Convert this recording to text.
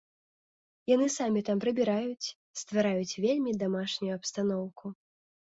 Яны самі там прыбіраюць, ствараюць вельмі дамашнюю абстаноўку.